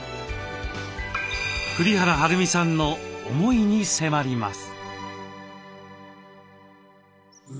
栗原はるみさんの思いに迫ります。